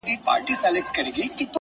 • خدایه چي د مرگ فتواوي ودروي نور،